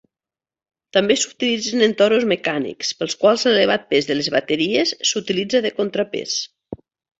També s'utilitzen en toros mecànics, pels quals l'elevat pes de les bateries s'utilitza de contrapès.